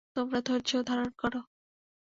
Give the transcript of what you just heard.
তোমরা ধৈর্য ধারণ কর।